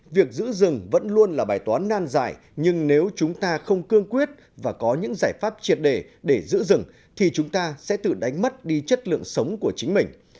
việc giữ rừng vẫn luôn là bài toán nan dài nhưng nếu chúng ta không cương quyết và có những giải pháp triệt để để giữ rừng thì chúng ta sẽ tự đánh mất đi chất lượng sống của chính mình